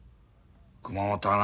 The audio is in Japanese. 熊本はな